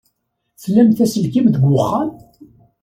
Tlamt aselkim deg uxxam?